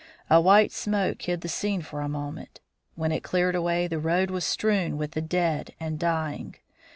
A white smoke hid the scene for a moment. When it cleared away, the road was strewn with the dead and dying.